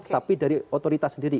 tapi dari otoritas sendiri